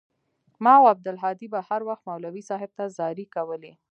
ما او عبدالهادي به هروخت مولوى صاحب ته زارۍ کولې.